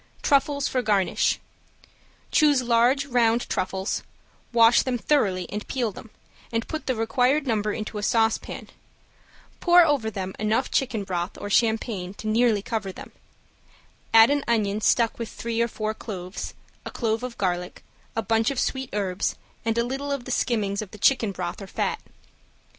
~TRUFFLES FOR GARNISH~ Choose large round truffles, wash them thoroughly and peel them, and put the required number into a saucepan, pour over them enough chicken broth or champagne to nearly cover them, add an onion stuck with three or four cloves, a clove of garlic, a bunch of sweet herbs, and a little of the skimmings of the chicken broth or fat.